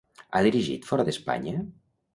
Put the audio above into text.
Ha dirigit fora d'Espanya?